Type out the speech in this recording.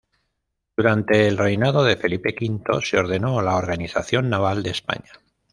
Durante el reinado de Felipe V se ordenó la organización naval de España.